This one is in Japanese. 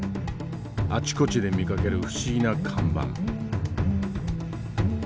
あちこちで見かける不思議な看板。